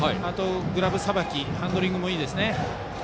グラブさばきハンドリングもいいですね。